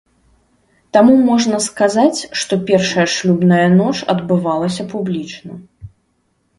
Таму можна сказаць, што першая шлюбная ноч адбывалася публічна.